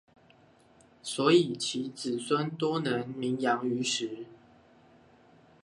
所以其子孫多能名揚於時